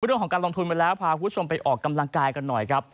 เรื่องของการลงทุนไปแล้วพาคุณผู้ชมไปออกกำลังกายกันหน่อยครับ